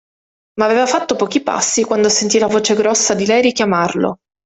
Ma aveva fatto pochi passi quando sentì la voce grossa di lei richiamarlo.